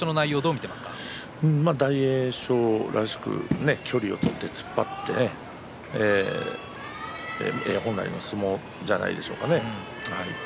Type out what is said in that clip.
大栄翔らしく距離を取って突っ張っていく本来の相撲じゃないでしょうかね。